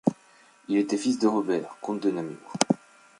Il était fils de Robert, comte de Namur.